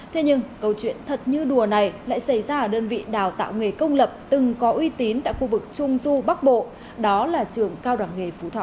thế nhưng câu chuyện thật như đùa này lại xảy ra ở đơn vị đào tạo nghề công lập từng có uy tín tại khu vực trung du bắc bộ đó là trường cao đẳng nghề phú thọ